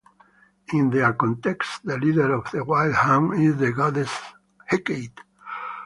In their context, the leader of the Wild Hunt is the goddess Hecate.